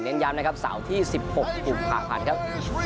ย้ำนะครับเสาร์ที่๑๖กุมภาพันธ์ครับ